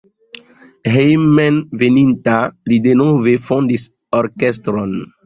Hejmenveninta li denove fondis orkestron.